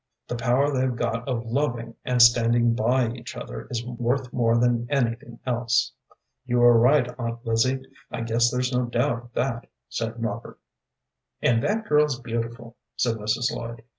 The power they've got of loving and standing by each other is worth more than anything else." "You are right, Aunt Lizzie, I guess there's no doubt of that," said Robert. "And that girl's beautiful," said Mrs. Lloyd.